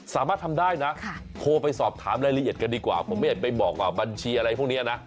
สามารถทำได้นะโทรไปสอบถามรายละเอียดกันดีกว่าผมไม่อยากไปบอกว่าบัญชีอะไรพวกนี้นะ